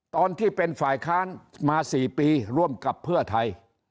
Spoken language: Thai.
ตอนที่เป็นฝ่ายค้านมา๔ปีร่วมกับเพื่อไทย